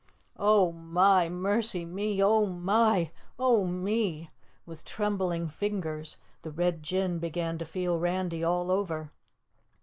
"Oh, my, mercy me! Oh, my! Oh, me!" With trembling fingers the Red Jinn began to feel Randy all over.